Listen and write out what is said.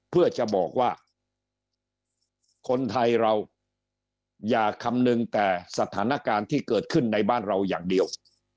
เพื่อจะบอกว่าคนไทยเราอย่าคำนึงแต่สถานการณ์ที่เกิดขึ้นในบ้านเราอย่างเดียว